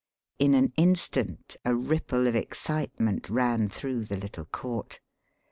In an instant a ripple of excitement ran through the little court.